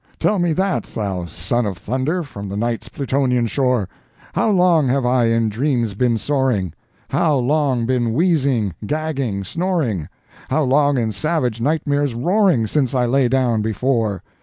—tell me that thou son of thunder, from the night's Plutonian shore. How long have I in dreams been soaring?—how long been wheezing, gagging, snoring?—how long in savage nightmares roaring, since I lay down before?"